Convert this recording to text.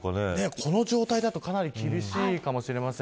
この状態だとかなり厳しいかもしれません。